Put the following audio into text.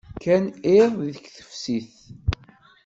Kkan iḍ deg teftist.